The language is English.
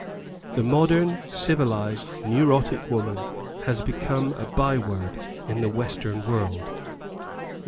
The modern civilised neurotic woman has become a by word in the Western world.